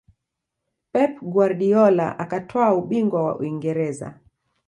Pep Guardiola akatwaa ubingwa wa Uingereza